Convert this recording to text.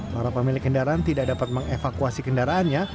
para pemilik kendaraan tidak dapat mengevakuasi kendaraannya